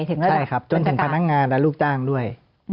ใช่ครับจนถึงพนักงานและลูกจ้างด้วย